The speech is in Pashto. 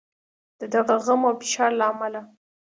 د دغه غم او فشار له امله.